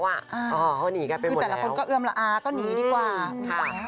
เขาหนีกันไปหมดแล้วคือแต่ละคนก็เอื้อมแล้วอ่าก็หนีดีกว่าใช่ไหม